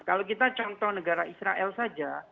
kalau kita contoh negara israel saja